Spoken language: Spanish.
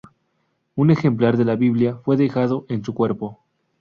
Un ejemplar de la Biblia fue dejado en su cuerpo.